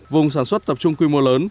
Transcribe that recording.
vùng sản xuất tập trung quy mô lớn